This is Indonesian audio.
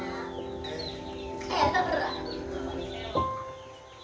pandangkan jalan yang dia adhd